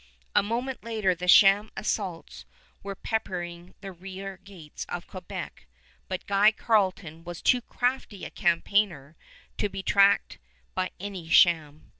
A moment later the sham assaults were peppering the rear gates of Quebec, but Guy Carleton was too crafty a campaigner to be tricked by any sham.